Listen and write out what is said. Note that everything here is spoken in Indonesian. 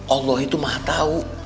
allah itu maha tahu